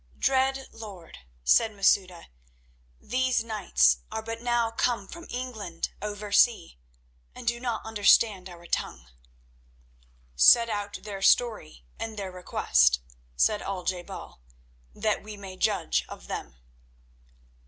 "Dread lord," said Masouda, "these knights are but now come from England over sea, and do not understand our tongue." "Set out their story and their request," said Al je bal, "that we may judge of them."